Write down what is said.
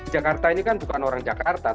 jakarta ini kan bukan orang jakarta